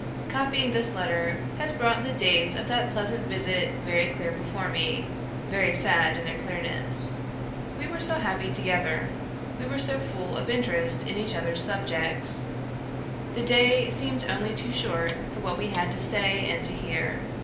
Copying this letter has brought the days of that pleasant visit very clear before me, very sad in their clearness. We were so happy together; we were so full of interest in each other's subjects. The day seemed only too short for what we had to say and to hear.